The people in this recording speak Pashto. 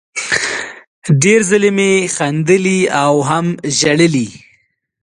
ډېر ځلې مې خندلي او هم ژړلي